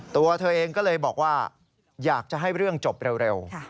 ตัวเธอเองก็เลยบอกว่าอยากจะให้เรื่องจบเร็ว